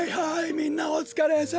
みんなおつかれさん。